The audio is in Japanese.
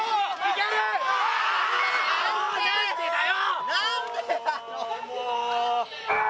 何でだよ！